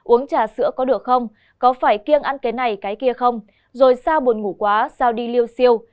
uống trà sữa có được không có phải kiêng ăn cái này cái kia không rồi sao buồn ngủ quá sao đi lưu siêu